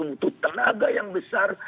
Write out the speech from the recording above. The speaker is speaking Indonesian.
untuk tenaga yang besar